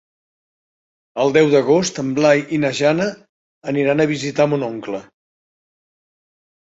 El deu d'agost en Blai i na Jana aniran a visitar mon oncle.